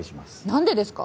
何でですか？